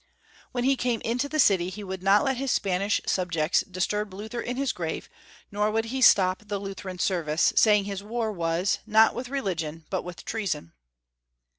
When he came into the city he would not let his Spanish subjects dis turb Luther in his grave, nor would he stop the Lutheran service, saying his war was, not with religion, but with treason.